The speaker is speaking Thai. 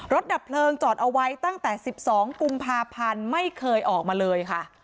ดับเพลิงจอดเอาไว้ตั้งแต่๑๒กุมภาพันธ์ไม่เคยออกมาเลยค่ะ